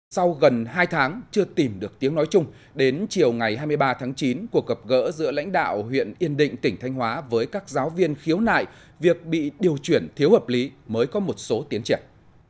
sau gần hai tháng chưa tìm được tiếng nói chung đến chiều ngày hai mươi ba tháng chín cuộc gặp gỡ giữa lãnh đạo huyện yên định tỉnh thanh hóa với các giáo viên khiếu nại việc bị điều chuyển thiếu hợp lý mới có một số tiến triển